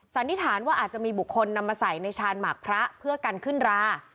สันนิษฐานว่าอาจจะมีบุคคลนำมาใส่ในชานหมากพระเพื่อกันขึ้นรา